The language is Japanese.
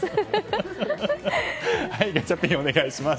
ガチャピンお願いします。